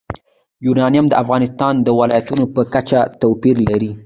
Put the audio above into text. یورانیم د افغانستان د ولایاتو په کچه توپیر لري.